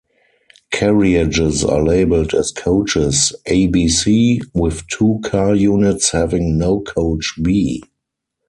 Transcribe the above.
Carriages are labelled as coaches A-B-C, with two-car units having no coach B.